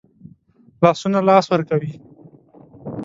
لاسونه لاس ورکوي